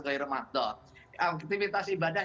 gairah maktoh aktivitas ibadah